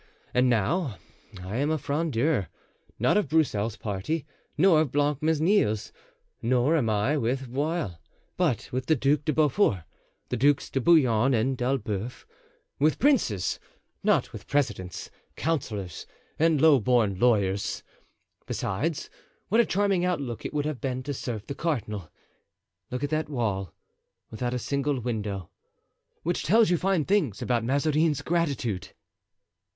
And now, I am a Frondeur—not of Broussel's party, nor of Blancmesnil's, nor am I with Viole; but with the Duc de Beaufort, the Ducs de Bouillon and d'Elbeuf; with princes, not with presidents, councillors and low born lawyers. Besides, what a charming outlook it would have been to serve the cardinal! Look at that wall—without a single window—which tells you fine things about Mazarin's gratitude!"